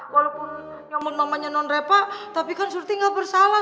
walaupun nyomot mamanya non repa tapi kan surti gak bersalah